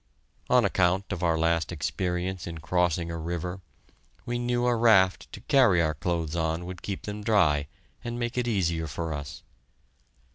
On account of our last experience in crossing a river, we knew a raft to carry our clothes on would keep them dry and make it easier for us.